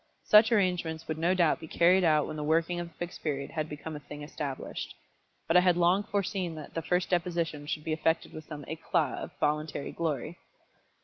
Such arrangements would no doubt be carried out when the working of the Fixed Period had become a thing established. But I had long foreseen that the first deposition should be effected with some éclat of voluntary glory.